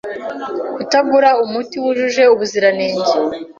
kutagura umuti wujuje ubuziranenge